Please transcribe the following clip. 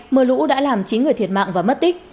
mưa lũ đã làm chín người thiệt mạng và mất tích